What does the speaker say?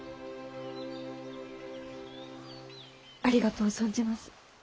ありがとう存じます。